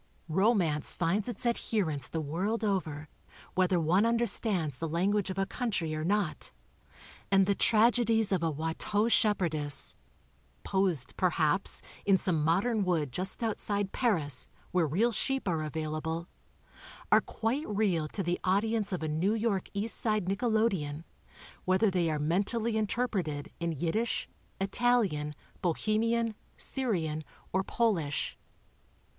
Romance finds its adherents the world over, whether one under stands the language of a country or not, and the tragedies of a Watteau shepherdess, posed, perhaps, in some modern wood just outside Paris, where real sheep are available, are quite real to the audience of a New York East Side nickelodeon, whether they are mentally interpreted in Yiddish, Italian, Bo hemian, Syrian or Polish.